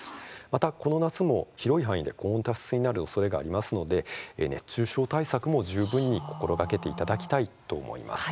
また、この夏も広い範囲で高温多湿になるおそれがありますので熱中症対策も十分に心がけていただきたいと思います。